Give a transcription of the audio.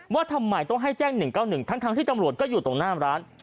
ว่าทำไมต้องให้แจ้งหนึ่งเก้าหนึ่งทั้งทั้งที่ตำรวจก็อยู่ตรงหน้าร้าน